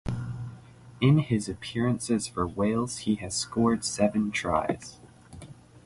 In his appearances for Wales he has scored seven tries.